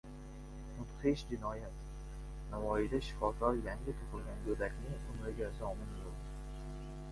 Mudhish jinoyat! Navoiyda shifokor yangi tug‘ilgan go‘dakning umriga zomin bo‘ldi